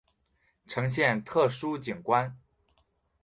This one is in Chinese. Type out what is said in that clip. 呈现特殊景观